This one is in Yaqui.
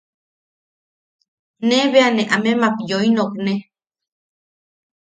Ne bea ne amemak yoi nokne.